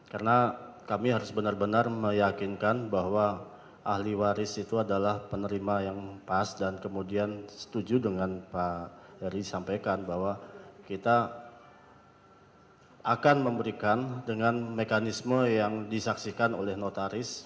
karena kami harus benar benar meyakinkan bahwa ahli waris itu adalah penerima yang pas dan kemudian setuju dengan pak heri sampaikan bahwa kita akan memberikan dengan mekanisme yang disaksikan oleh notaris